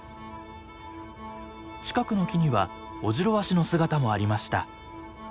近くの木にはオジロワシの姿もありました。